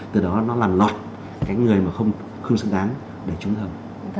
từ đó nó làm lọt cái người mà không xứng đáng để trúng thầu